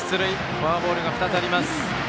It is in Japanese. フォアボールが２つあります。